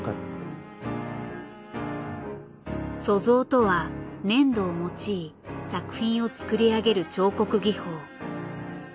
塑像とは粘土を用い作品を作り上げる彫刻技法。